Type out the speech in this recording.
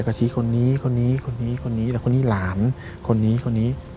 แกก็ชี้คนนี้คนนี้คนนี้คนนี้แล้วคนนี้หลานคนนี้คนนี้